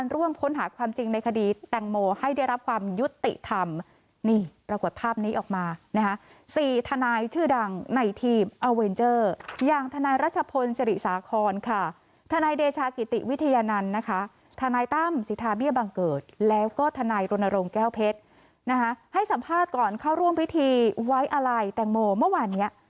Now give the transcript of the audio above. ลงแก้วเพชรนะฮะให้สัมภาษณ์ก่อนเข้าร่วมพิธีไว้อะไรแต่งโมเมื่อวันเนี้ย